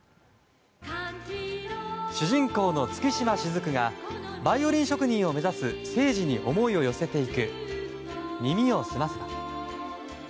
主人公の月島雫がバイオリン職人を目指す聖司に思いを寄せていく「耳をすませば」。